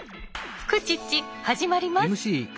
「フクチッチ」始まります！